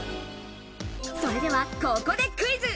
それでは、ここでクイズ。